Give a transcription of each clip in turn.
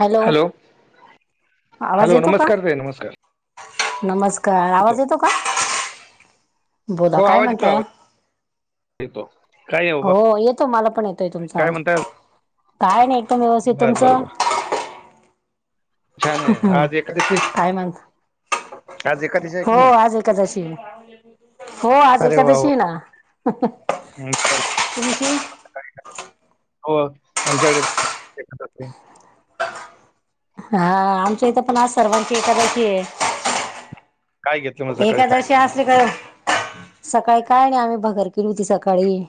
Hello आवाज hello येतो का? नमस्कार ताई नमस्कार नमस्कार आवाज येतो का? बोला हो काय आवाज येतो म्हणता आवाज येतो काय? बाबा हो येतो मला पण येतोय तुमचा काय आवाज म्हणताय काय नाही एकदम व्यवस्थित बर बर तुमचं? बर छान आहे हम्म आज एकादशी काय मग आज एकादशी आहे हो की नाही आज एकादशी ये हो आज अरे वा एकादशी वा येना अहम तुमची सकाळी का हो आमच्याकडे पण [unintelligible] हा आमच्या इथं पण आज सर्वांची एकादशी आहे. काय घेतलं मग सकाळी काय एकादशी आसली का... सकाळी काय नाही आम्ही भगर केली होती. सकाळी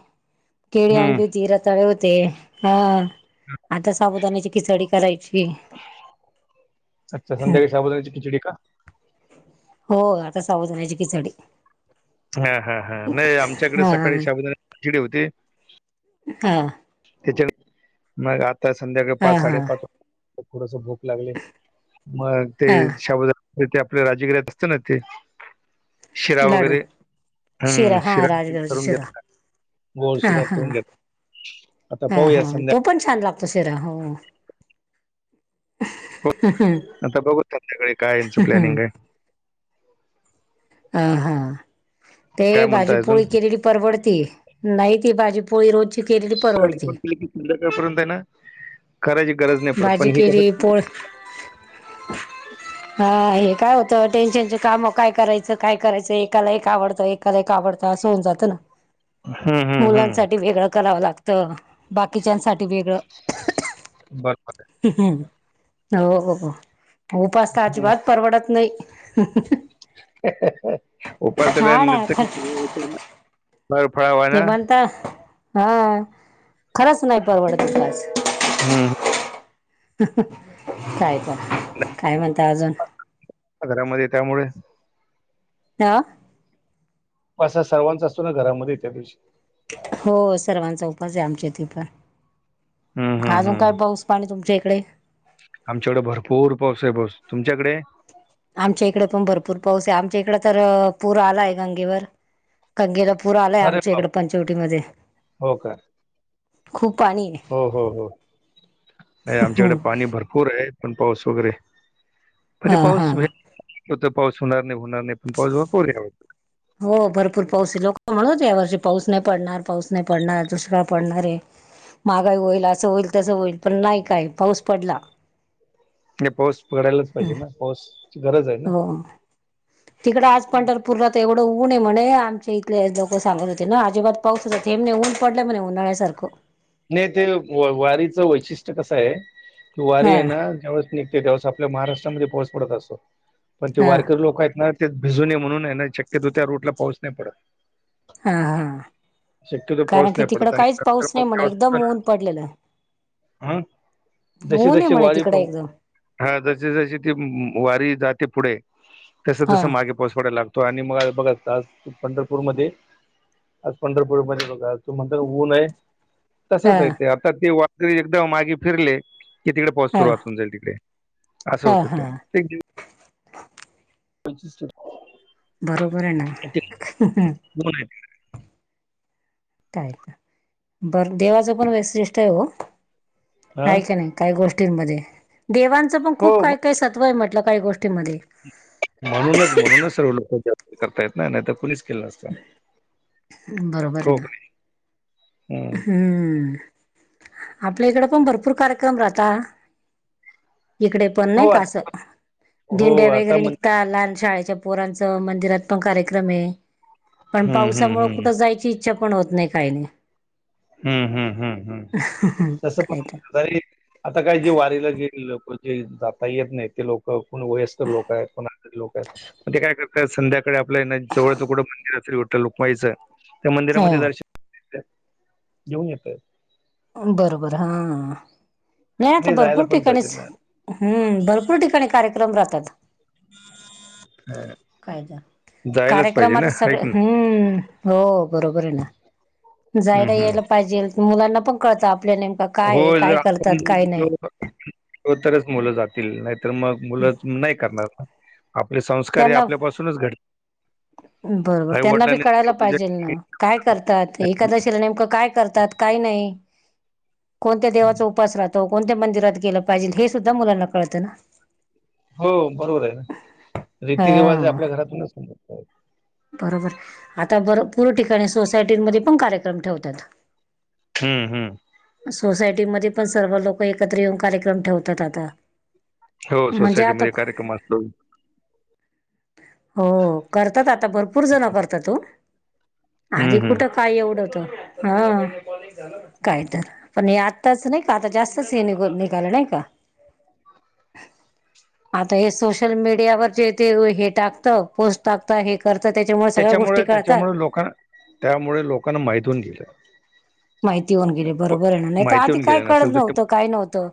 केळी हं, आणली होती रत रताळे होते हा आता साबुदाण्याची खिचडी करायचीये अच्छा संध्याकाळी साबुदाण्याची खिचडी का? हो आता साबुदाण्याची खीचडी. हा हा हा नाही आमच्याकडे हा सकाळी साबुदाण्याची खिचडी होती. हां त्याच्याकडे मग आता संध्याकाळी हा पाच हा साडेपाच वाज.... थोडस भूक लागली ये मग ते हा साबुदाण्याची... जेते आपल राजगिऱ्याच असतं ना ते... शिरा लाडू वगैरे हम्म हा शिरा राजगराचा करून शिरा घेतला. गोड हा शीरा हा करुन घेत आता हा पाहूया हा तो संध्याकाळी पण छान लागतो शीरा हो. आता बघू संध्याकाळी काय ह्यांचं प्लॅनिंग आहे? ह हा ते काय भाजी म्हणता अजून पोळी केलेली परवडती नाही ती भाजी पोळी रोजची केलेली परवडती पण ते की संध्याकाळपर्यंत आहे ना करायची गरज नाही पडत पण भाजी हे कसं केली पोळ हा हे काय होतं टेन्शनचे काम काय करायचं करायचं एकाला एक आवडतं, एकाला एक आवडतं असं होऊन जातं ना. हम्म हम्म. हम्म मुलांसाठी वेगळं करावं लागत, बाकीच्यांसाठी वेगळं. बरोबर हो हो उपास तर अजिबात परवडत नाही. उपासला हा ना ख [unintelligible] फळा ते म्हणता, हा, खरंच नाही परवडत उपास. हम्म. काय तर काय म्हणता अजून? घरामध्ये त्यामुळे. अ? उपास सर्वांचा असतो ना घरामध्ये त्या दिवशी. हो सर्वांचा उपास आहे आमच्या इथे पण. हम्म हम्म अजून काय हम्म पाऊस पाणी तुमच्या इकडे? आमच्याकडे भरपूर पाऊस आहे [unintelligible] तुमच्याकडे? आमच्या इकडे पण भरपूर पाऊस आहे आमच्या इकड तर पूर आलाय गंगेवर. गंगेला पूर आलाय अरे आमच्या बाप इकडे पंचवटी मध्ये हो का खूप पाणीय. हो हो हो नाही आहे आमच्याकडे पाणी भर पूर आहे, पण पाऊस वगैरे पण ते हा पाऊस हा तर पाऊस होणार नाही, होणार नाही पण पाऊस भरपूर आहे ह्यावेळेस. हो भरपूर पाऊसय लोक म्हणत होते ह्या वर्षी पाऊस नाही पडणार, पाऊस नाही पडणार, दुष्काळ पडणारय. महागाई होईल, असं होईल, तसं होईल, पण नाही काय पाऊस पडला. नाही पाऊस पडायलाच पाहिजे ना, पाऊसाची गरज आहे ना. हो तिकडं आज पंढरपूरला एवढं ऊन आहे म्हणे आमच्या इथले लोक सांगत होते ना अजिबात पाऊसाचा थेंब नाही ऊन पडले म्हणा उन्हाळ्यासारखं. नाही ते वारीचं वैशिष्ट्य कस आहे वारी हा आहे ना ज्यावेळेस निघ ते त्या वेळेस आपल्या महाराष्ट्रामध्ये पाऊस पडत असतो पण ते हा वारकरी लोक आहेत ना भिजू नये म्हणून हाय ना शक्यतो त्या रूट ला पाऊस नाही पडत. हा हा शक्यतो कारण पाऊस की नाही तिकडं पडत आणि काहीच पाऊस नाही [unintelligible] म्हणे अं? एकदम ऊन पडलेलं जसी ऊन आहे जसी म्हणे वारी तिकडं प्रमु एकदम हा जशी जशी ती वारी जाते पुढे तस हा तस मागे पाऊस पडाय लागतो आणि मग बघा आज पंढरपूर मध्ये आज पंढरपूरमध्ये बघा तूम्ही म्हणता ऊनय हा तसचय ते आता ते वारकरी एकदा मागे फिरले कि तिकडे पाऊस हा सुरुवात होउन जाईल तिकडे असं हा होतं ते हा त्यां [unintelligible] बरोबरय ना. कोणय तिकडं? काय का बरं देवाचं पण वैशिष्टठ आहे हो हा हाये का नाही? काही गोष्टींमध्ये देवांचं पण हो खूप काय मग काही सत्व आहे म्हटलं काही गोष्टी म्हणूनच म्हणूनच सर्व लोक जास्त करतायेत ना नाही तर कोणीच असत बरोबर हो का [unintelligible] हम आपल्या इकड पण भरपूर कार्य क्रम राहता इकडे पण हो नाही का आता असं हो दिंड्या आता वगैरे म्हण निघता लहान शाळेच्या पोरांच मंदिरात पण कार्यक्रम हे पण हम्म हम्म पावसामुळे हम्म कुठे जायची इच्छा पण होत काही नाही. हम्म हम्म हम्म नाही हम्म तस काय तर तरी आता काय जे वारीला गे लोक जे जाता येत नाही ते लोक कोण वयस्कर लोक आहेत कोण आजारी लोक आहेत ते काय करतात. संध्याकाळी आपलं हेन जवळ कुठं मंदिर विठ्ठल रूकमाईचं त्या मंदिरामध्ये हा दर्शन [unintelligible] बरोबर हा. नाही आता आणि जायला भरपूर पण पाहिजे ठिकाणीच हम्म भरपूर ठिकाणी कार्यक्रम राहतात. ना काय जायलाच पाहिजे कार्यक्रमात ना आहे सगळं की नाही हम्म. हो बरोबर हे ना हम्म, जायला हम्म. यायला पाहिजे. मुलांना पण कळत आपल्या नेमका हो काय हे जर काय आपण करतात काय नाही. गेलो तरच मुलं जातील नाहीतर मग मुलं नाही करणार. आपले संस्कार हे त्यांना आपल्यापासूनच घडले बरोबर त्यांना बी कळायला देवपूजा पाहिजेल ना केली काय करतात नाही. एखाद नेमकं काय करतात काही नाही. कोणत्या हम्म. देवाचा उपास राहतो कोणत्या मंदिरात गेलं पाहिजे हे सुद्धा मुलांना कळतं ना. हो बरोबर आहे रीती रिवाज हा आपल्या घरातूनच बरोबर आता भरपुर ठिकाणी सोसायटींमध्ये पण कार्यक्रम ठेवतात. हम्म. हम्म. सोसायटीमध्ये पण सर्व लोक एकत्र येऊन कार्यक्रम ठेवतात आता. हो म्हणजे सोसायटी आता मध्ये कार्यक्रम असतो. हो करतात आता भरपूर जण करतात त हो हम्म आधी हम्म कुठं काय एवढं होत हा. काय तर पण हे आत्ताच नाही का जास्तच निघाल नाही का? आता हे सोशल मीडियावर जे ते हे टाकतं पोस्ट टाकत हे करत त्याच्यामुळे सगळ्या गोष्टी कळतात. लोकांना त्यामुळे लोकांना माहित होवुन गेलं. माहिती होऊन गेली प- बरोबर आहे, ना नाही तर माहिती आधी होऊन काय गेलं कळत नसेल तर ते नव्हतं काय नव्हतं.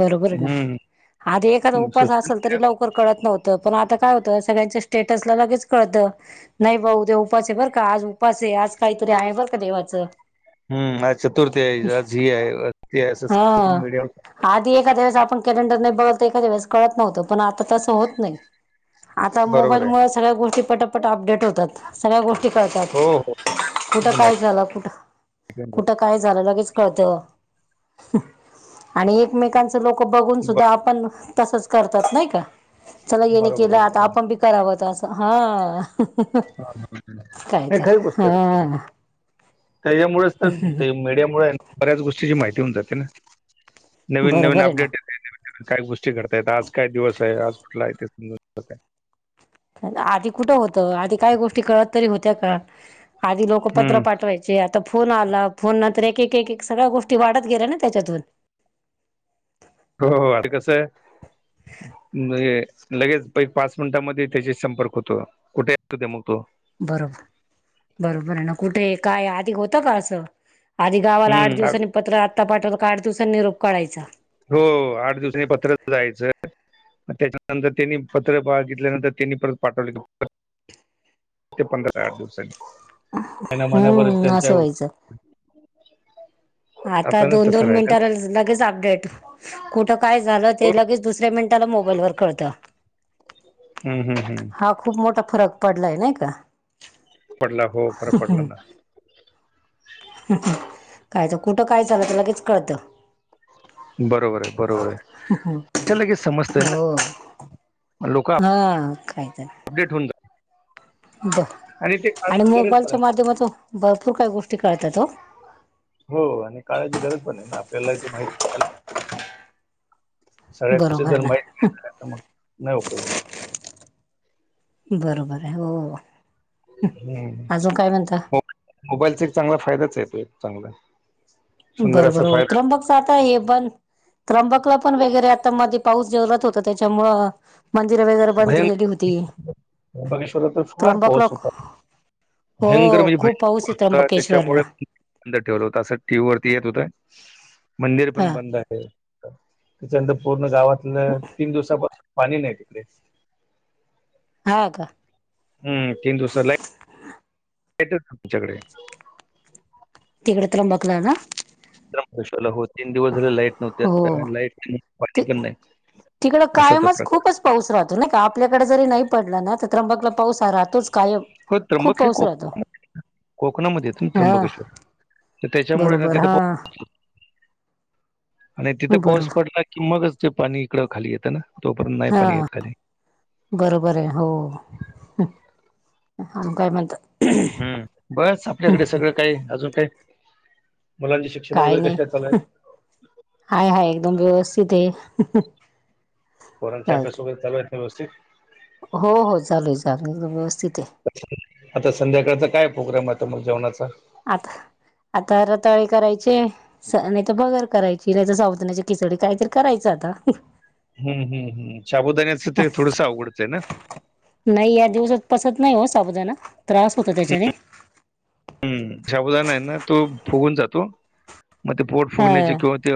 बरोबर ना हम्म आधी एखादा उपास असल सोशल तरी लवकर कळत नव्हतं पण आता काय होतं सगळ्यांच्या स्टेटसला लगेच कळत. नाही भाऊ उद्या उपास बर का आज उपास आज काहीतरी आहे बर हम्म आज चतुर्थी आहे आज हे आहे. ती आहे असं हा. मीडियम आधी एखाद्या वेळेस आपण कॅलेंडर नाही बघत तर एखादया वेळेस कळत नव्हतं पण आता तसं होत नाही. [unintelligible] आता मोबाईल बरोबर आहे मुळ सगळ्या गोष्टी पटापट अपडेट होतात. सगळ्या गोष्टी कळतात हो हो कुठं त्याचं काय माहिती कुठ आहे. कुठ काय झालं? लगेच कळतं. आणि एकमेकांच लोक बघून ब- सुद्धा आपण तसंच करतात नाय का? चला येने बरोबर केलं आहे आता बरोबर. आपण बी करावंत असं, हा. काय तर हा [unintelligible] त्याच्यामुळेच तर, मीडिया मुळ् बऱ्याच गोष्टीची माहिती होऊन जाते ना. नविन नवीन बरोबर आहे अपडेट ना काय गोष्टी घडतायेत? आज काय दिवस आहे? आज कुठला तेे समजून जात. आधी कुठं होतं. आधी काय गोष्टी कळत तरी होत्या का? आधी लोक पत्र हम्म पाठवाय चे. आता फोन आला. फोन नंतर एक एक एक सगळ्या गोष्टी वाढत गेल्या ना त्याच्यातून. हो, हो आधी कसं? म्हजे, लगेच पाच मिनिटामध्ये त्याचा संपर्क होतो. कुठे [unintelligible] मग तो? बरोबर, बरोबर आहे ना. कुठे, काय आधी होतं का असं? आधी गावाला, आठ हम्म आ- दिवसांनी पत्र आत्ता पाठवल का आठ दिवसांनी निरोप कळायचा. हो, आठ दिवसांनी पत्रच जायचं. त्याच्यानंतर त्यांनी पत्र बघिल्यानंतर त्यांनी परत पाठवलेल उत्तर ते पंधरा, आठ दिवसांनीच हम्म असं व्हायचं [unintelligible] आता ना तसं दोन-दोन राहिलं मिनिटांला लगेच अपडेट. कुठं काय झालं? ना. हो ते लगेच दुसऱ्या मिनिटाला मोबाईलवर कळतं. हम्म, हम्म, हम्म. हा खूप मोठा फरक पडलाय नाई का? पडला हो फरक पडला ना. [unintelligible] कायच, कुठं काय झालका लगेच कळतं. बरोबर आहे. बरोबर आहे. त लगेच समजतय ना. हो लोक हा. कायतर, [unintelligible] ते आणि काळाची गरज पण मोबाईलच्या आहे माध्यमातून भरपूर काही गोष्टी कळतात हो. हो आणि काळाची गरज पण आहे ना, आपल्याला ती माहित सगळ्या गोष्टी बरोबर तर ना माहित नाही झाल्या तर नाही उपयोग होत. बरोबर हाय. हो हम्म, अजून काय म्हणता मोबाईलचा एक चांगला फायदाच आहेे तो एक चांगला. सुंदर असा बरोबर, हो फायदा त्रंबक. जातोय पण, त्र्यंबकला पण वगैरे आता मधे पाऊस जोरात होता. त्यांच्यामुळ मंदिरं वगैरे बंद भयंकर केलेली होती. त्र्यंबकेश्वरात तर फार पाऊस त्र्यंबकलॉक होता हो, भयंकर म्हणजे खूप भयंकर पाऊस ये होता त्याच्यामुळे त्रंबकेश्वरला. बंद ठेवलं होत. असं टी. वी वरती येत होतं. मंदिर हा पण बंद आहे. त्याच्यानंतर पूर्ण गावातलं तीन दिवसापासून पाणी नाई तिकडे. हा, का? हम्म, तीन दिवसाला [unintelligible] तुमच्याकडे तिकड त्र्यंबकला ना? त्र्यंबकेश्वरला होत. तीन दिवस झाले लाईट नव्हते. हो लाईट नाई, पाणी पण नाई. तिकड असा तो कायमच प्रकार. खूपच पाऊस राहतो नाई का. आपल्याकडे जरी नाही पडला ना, त्र्यंबकला पाऊस हा राहतोच कायम. हो, खूप त्र्यंबक हे पाऊस राहतो कोक कोकणामध्ये येतय हा त्र्यंबकेश्वर. तर त्याच्यामुळे ना बरोबर, तिथं हा. पाऊस [inaudible] आणि तिथं बरोबर पाऊस पडला की मगच ते पाणी इकडं खाली येतं ना, तोपर्यंत नाही हा पाणी येत खाली. बरोबर आहे हो, आणि काय म्हणत हम्म, बस आपल्याकडे सगळं काही अजून काही मुलांचे शि काय नाही, हाय हाय एकदम व्यवस्थित आहे. पोराचं काय अभ्यास वगैरे चालू आहेत ना व्यवस्थित. हो हो चालूय चालूय एकदम व्यवस्थित आहे. आता संध्याकाळचा काय प्रोग्राम आहे आता मग जेवणाचा? आता, आता रताळे करायचे, नाही तर बगर करायची, नाही तर शाबूदाण्याची खिचडी काहीतरी करायच आता. हम्म हम्म हम्म, शाबुदाण्याचं ते थोडसं अवघडच आहे ना. नाही या दिवसात पचत नाही हो साबुदाणा, त्रास होतो त्याच्याने. साबुदाणा आहे ना, तो फुगून जातो, मग ते पोट फुगण्याचे हा किंवा ते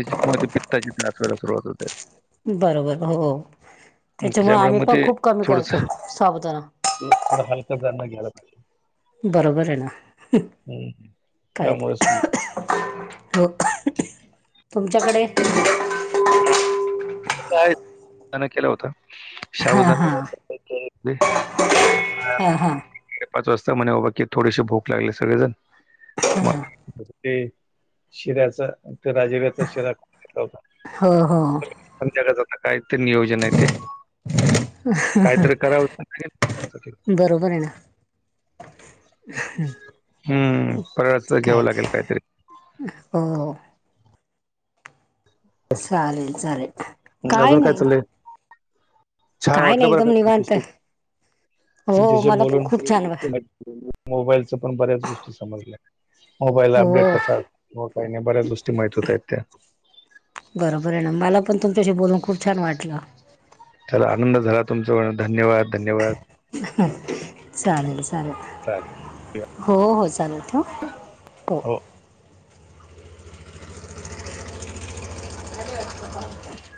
ते ते पित्ताची त्रास व्हायला सुरुवात होते. बरोबर हो, त्याच्यामुळे आम्ही पण खूप कमी करतो साबुदाणा. थोडा हलकं जना घ्यायला पाहिजे. बरोबर आहे ना, हम्म. त्यामुळे कायतर. समजा हो तुमच्याकडे त्याने केलं होता, हा हा साबुदाणा ह हा हा [unintelligible] पाच वाजता म्हणे बाबा की थोडीसी भूक लागले सगळेजण, मग ते, शिऱ्याचं, ते राजगिर्याचा शिरा खाउन घेतला होता. हो हो. संध्याकाळच आता काय तर नियोज जन आहे ते, काहीतरी करावं बरोबर आहे ना. [inaudible] हम्म, फराळाचं घ्यावं लागेल काहीतरी. हो हो. चालेल चालेल. अजून काय चाललंय? छान काय वाटलं नाही बरं एकदम का, निवांत कशाने, आहे हो तुमच्याशी मला बोलून खूप छान वा मोबाईलच पण बऱ्याच गोष्टी समजल्या. मोबाईल हो अपडेट कसा आलं,, किंवा काही नाही बऱ्याच गोष्टी माहित होत आहेत त्या. बरोबर आहे ना, मला पण तुमच्याशी बोलून खूप छान वाटलं. चला आनंद झाला तुमचं पण धन्यवाद धन्यवाद. चालेल चालेल, चालेल हो हो चालेल ठेऊ. हो. झाली वाटत कामं.